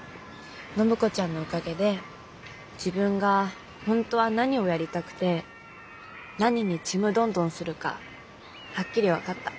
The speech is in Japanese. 暢子ちゃんのおかげで自分が本当は何をやりたくて何にちむどんどんするかはっきり分かった。